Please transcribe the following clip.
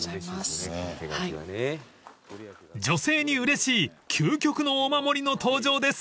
［女性にうれしい究極のお守りの登場です］